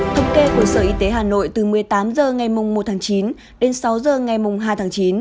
thống kê của sở y tế hà nội từ một mươi tám h ngày một tháng chín đến sáu h ngày hai tháng chín